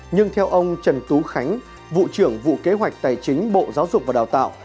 nhưng theo ông trần tú khánh vụ trưởng vụ kế hoạch tài chính bộ giáo dục và đào tạo